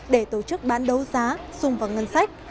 để tổ chức bán đấu giá sung vào ngân sách